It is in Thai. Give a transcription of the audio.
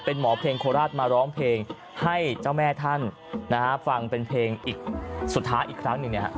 เป็นหมอเพลงโคราชมาร้องเพลงให้เจ้าแม่ท่านนะฮะฟังเป็นเพลงอีกสุดท้ายอีกครั้งหนึ่งเนี่ยฮะ